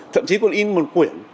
thậm chí còn in một quyển